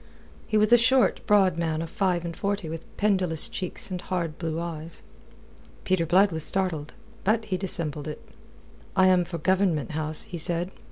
He was a short, broad man of five and forty with pendulous cheeks and hard blue eyes. Peter Blood was startled. But he dissembled it. "I am for Government House," said he.